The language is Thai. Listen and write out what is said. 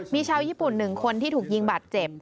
มีชาวญี่ปุ่น๑คนที่ถูกยิงบาดเจ็บ